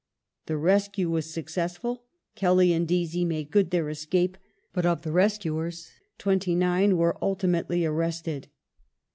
The rescue was successful ; Kelly and Deasy made good their escape, but of the rescuers twenty nine were ultimately arrested.